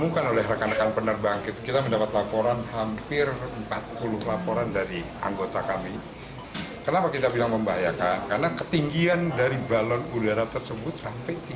kepada pak rang dan jogjakarta